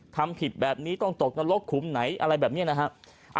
ทำผิดแบบนี้ต้องตกนรกขุมไหนอะไรแบบนี้นะฮะ